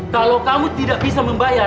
kalau kamu tidak bisa membayar